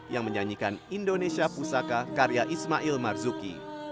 yang menyanyikan indonesia pusaka karya ismail marzuki